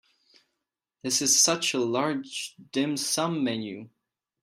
This is such a large dim sum menu.